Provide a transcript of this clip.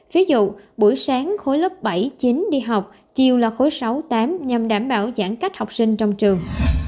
ví dụ buổi sáng khối lớp bảy chín đi học chiều là khối sáu tám nhằm đảm bảo giãn cách học sinh trong trường